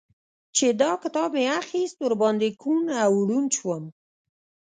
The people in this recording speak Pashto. چې دا کتاب مې اخيست؛ ور باندې کوڼ او ړونډ شوم.